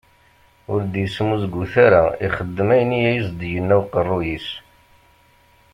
Ur d-yesmuzgut ara, ixeddem ayen i as-d-yenna uqerruy-is.